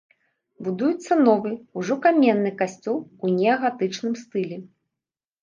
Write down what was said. Будуецца новы, ужо каменны касцёл у неагатычным стылі.